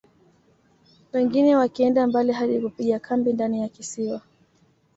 Wengine wakienda mbali hadi kupiga kambi ndani ya kisiwa